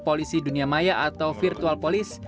juga akan melibatkan polisi dunia maya atau virtual polis